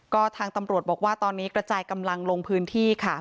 ก็ทางตำรวจบอกว่าตอนนี้กระจายกำลังลงพื้นที่ค่ะ